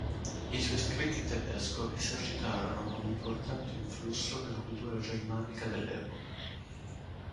I suoi scritti in tedesco esercitarono un importante influsso nella cultura germanica dell'epoca.